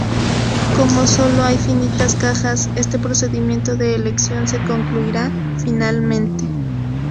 Como sólo hay finitas cajas, este procedimiento de elección se concluirá finalmente.